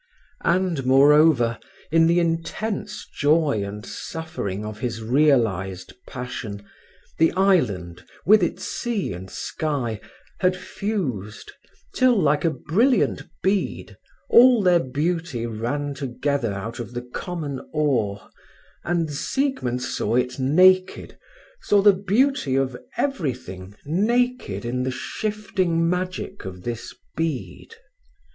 And, moreover, in the intense joy and suffering of his realized passion, the island, with its sea and sky, had fused till, like a brilliant bead, all their beauty ran together out of the common ore, and Siegmund saw it naked, saw the beauty of everything naked in the shifting magic of this bead.